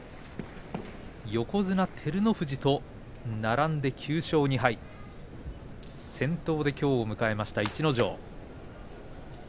横綱照ノ富士と並んで９勝２敗先頭できょうを迎えました逸ノ城です。